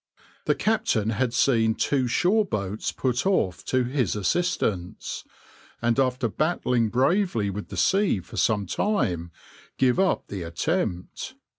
The captain had seen two shore boats put off to his assistance, and after battling bravely with the sea for some time give up the attempt.